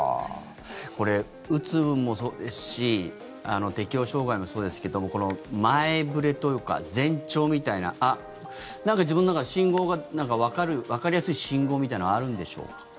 これ、うつもそうですし適応障害もそうですけども前触れというか前兆みたいなあっ、なんか自分の中で信号がわかりやすい信号みたいなのはあるんでしょうか。